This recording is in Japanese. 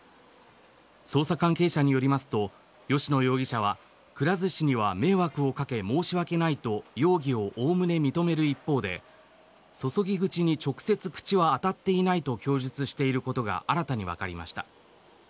捜査関係者によりますと吉野容疑者はくら寿司には迷惑をかけ申し訳ないと容器をおおむね認める一方で注ぎ口に直接口は当たっていないと供述していることが、新たに分かりました。